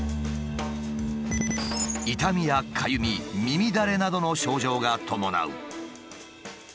痛みやかゆみ耳だれなどの症状が伴う。